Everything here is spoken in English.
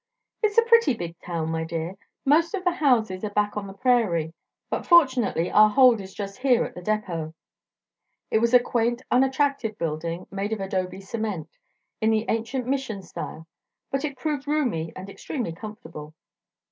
"It's a pretty big town, my dear. Most of the houses are back on the prairie, but fortunately our hold is just here at the depot." It was a quaint, attractive building, made of adobe cement, in the ancient mission style; but it proved roomy and extremely comfortable.